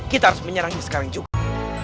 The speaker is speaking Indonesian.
kita harus menyerangnya sekarang juga